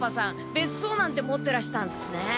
べっそうなんて持ってらしたんすね。